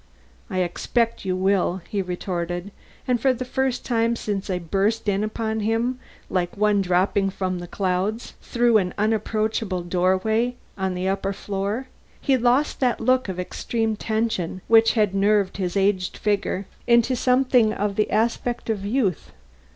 "I expect you will," he retorted; and for the first time since I burst in upon him like one dropping from the clouds through the unapproachable doorway on the upper floor, he lost that look of extreme tension which had nerved his aged figure into something of the aspect of youth.